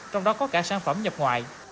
trong đó có cả sản phẩm nhập ngoại